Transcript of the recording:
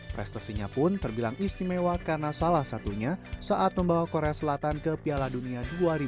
prestasinya pun terbilang istimewa karena salah satunya saat membawa korea selatan ke piala dunia dua ribu dua puluh